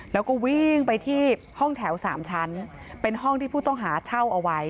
แล้วก็วิ่งไปที่ห้องแถว๓ชั้นเป็นห้องที่ผู้ต้องหาเช่าเอาไว้